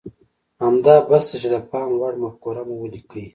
همدا بس ده چې د پام وړ مفکوره مو وليکئ.